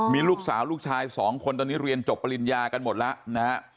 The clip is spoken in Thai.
มีลูกสาวลูกชายสองคนตอนนี้เรียนจบปริญญากันหมดแล้วนะฮะ